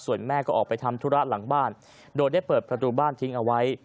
ส่วนแม่ก็ออกไปทำธุระหลังบ้านโดยได้เปิดประตูบ้านทิ้งเอาไว้